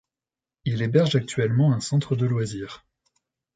Il héberge actuellement un centre de loisirs.